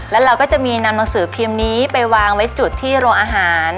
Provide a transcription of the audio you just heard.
แล้วเราก็จะมีนำหนังสือพิมพ์นี้ไปวางไว้จุดที่โรงอาหาร